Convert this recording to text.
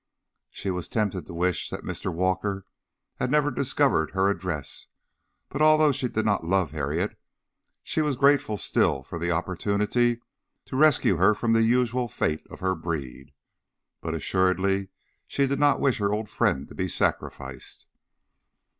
She was tempted to wish that Mr. Walker had never discovered her address; but although she did not love Harriet, she was grateful still for the opportunity to rescue her from the usual fate of her breed. But assuredly she did not wish her old friend to be sacrificed.